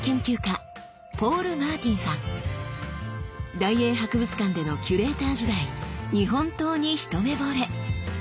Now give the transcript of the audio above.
大英博物館でのキュレーター時代日本刀にひとめぼれ。